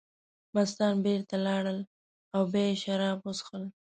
مستان بېرته لاړل او بیا یې شراب وڅښل.